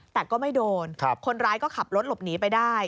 แต่ก็ไม่โดนคนร้ายก็ขับรถหลบหนีไปได้